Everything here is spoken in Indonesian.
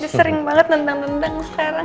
dia sering banget nentang nentang sekarang